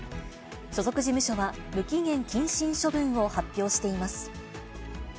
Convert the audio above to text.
所属事務所は無期限謹慎処分を発表しています。